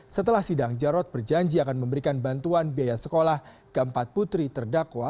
setelah sidang jarod berjanji akan memberikan bantuan biaya sekolah keempat putri terdakwa